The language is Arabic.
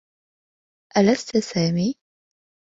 ألست سامي؟